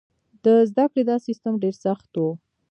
د زده کړې دا سیستم ډېر سخت و.